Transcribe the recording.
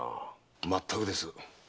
まったくです！